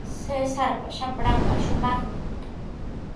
Cesarpa shapranqa shumaqmi.